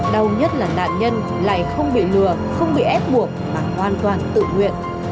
đau nhất là nạn nhân lại không bị lừa không bị ép buộc mà hoàn toàn tự nguyện